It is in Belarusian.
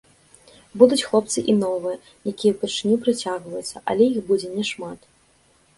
Будуць хлопцы і новыя, якія ўпершыню прыцягваюцца, але іх будзе не шмат.